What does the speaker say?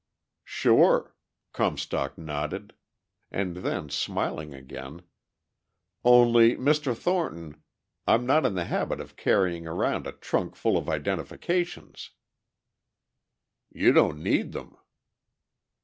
"Sure," Comstock nodded. And then, smiling again "Only, Mr. Thornton, I'm not in the habit of carrying around a trunk full of identifications." "You don't need them."